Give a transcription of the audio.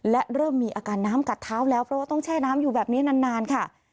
และเริ่มมีอาการน้ำกัดเท้าแล้วเพราะว่าต้องแช่น้ำอยู่แบบนี้นานค่ะ